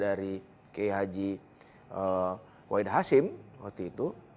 dari kei haji waidahasim waktu itu